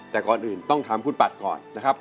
แต่ก่อนอื่นต้องถามคุณปัดก่อนนะครับ